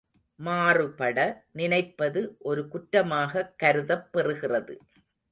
மாறுபட நினைப்பது ஒரு குற்றமாகக் கருதப் பெறுகிறது.